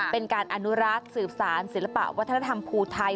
เป็นการอนุรักษ์สืบสารศิลปะวัฒนธรรมภูไทย